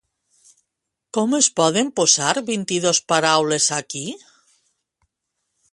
Com es poden posar vint-i-dos paraules aquí?